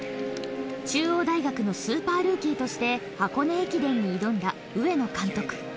中央大学のスーパールーキーとして箱根駅伝に挑んだ上野監督